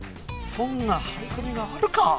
そんな張り込みがあるか！